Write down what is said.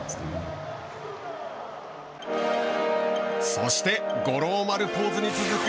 そして五郎丸ポーズに続く